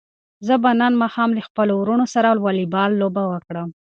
زه به نن ماښام له خپلو وروڼو سره واليبال لوبه وکړم.